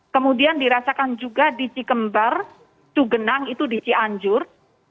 kemudian dirasakan juga di cikembar cugenang itu di cianjur